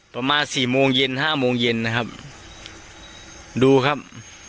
ประมาณสี่โมงเย็นห้าโมงเย็นนะครับดูครับ